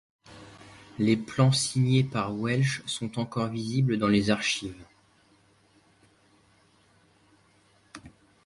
Les plans signés par Welsch sont encore visibles dans les archives.